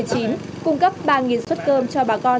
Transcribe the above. cung cấp ba xuất cơm cho bà con